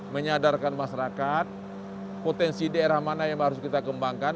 menyadarkan masyarakat potensi daerah mana yang harus kita kembangkan